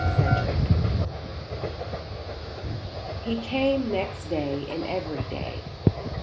CHAPTER X He came next day and every day.